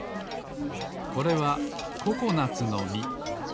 これはココナツのみ。